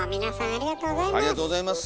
ありがとうございます。